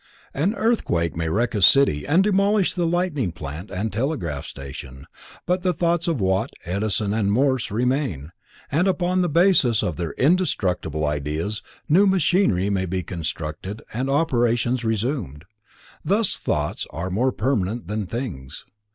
An earthquake may wreck a city and demolish the lighting plant and telegraph station, but the thoughts of Watt, Edison and Morse remain, and upon the basis of their indestructible ideas new machinery may be constructed and operations resumed. Thus thoughts are more permanent than things.